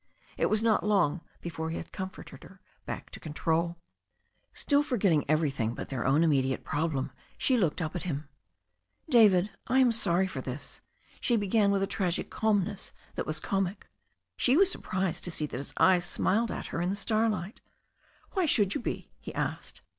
It was not long before he had con^ forted her back to control. 196 THE STORY OF A NEW ZEALAND RIVER Still forgetting everything but their own immediate prob lem, she looked up at him. "David, I am sorry for this," she began with a tragic calmness that was comic. She was surprised to see that his eyes smiled at her in the starlight. "Why should you be?'* he asked.